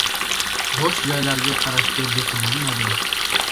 Bo‘sh joylarga qarashga beti bo‘lmadi!